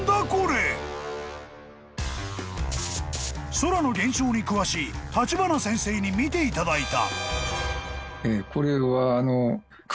［空の現象に詳しい立花先生に見ていただいた］